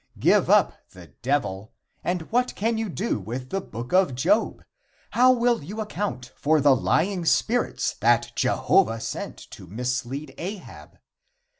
Give up the Devil, and what can you do with the Book of Job? How will you account for the lying spirits that Jehovah sent to mislead Ahab?